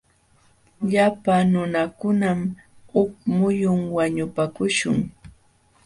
Llapa nunakunam huk muyun wañupaakuśhun.